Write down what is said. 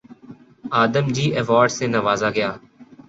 آدم جی award سے نوازا گیا